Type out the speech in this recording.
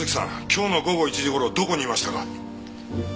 今日の午後１時ごろどこにいましたか？